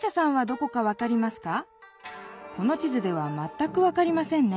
この地図ではまったく分かりませんね。